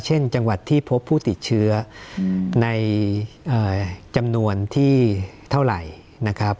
เช่นจังหวัดที่พบผู้ติดเชื้อในจำนวนที่เท่าไหร่นะครับ